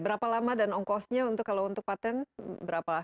berapa lama dan ongkosnya untuk kalau untuk patent berapa